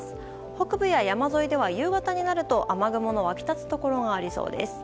北部や山沿いでは、夕方になると雨雲の湧き立つところがありそうです。